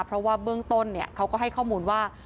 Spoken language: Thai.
เพราะว่าเบื้องต้นเขาก็ให้ข้อมูลว่า